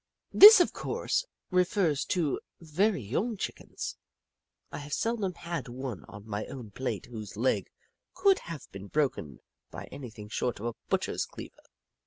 This, of course, refers to very young Chickens. I have seldom had one on my own plate whose leg could have been broken by anything short of a butcher's cleaver.